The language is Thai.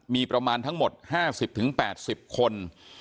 มีประมาณทั้งหมด๕๐๘๐คน